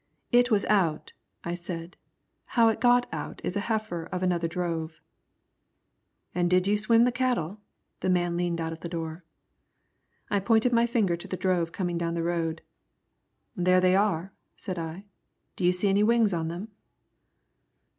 "It was out," I said. "How it got out is a heifer of another drove." "An' did you swim the cattle?" The man leaned out of the door. I pointed my finger to the drove coming down the road. "There they are," said I. "Do you see any wings on them?"